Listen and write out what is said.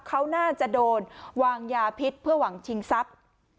เขาน่าจะโดนวางยาพิษเพื่อหวังชิงทรัพย์